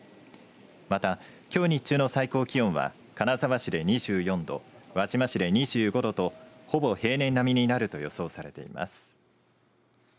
また、きょう日中の最高気温は金沢市で２４度輪島市で２５度と、ほぼ平年並みになると予想されています。